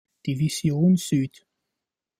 Division „Süd“.